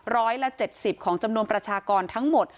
ร้อยละ๗๐ของจำนวนประชากรทั้งหมด